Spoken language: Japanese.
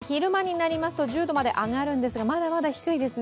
昼間になりますと、１０度まで上がるんですが、まだまだ低いですね。